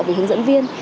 về hướng dẫn viên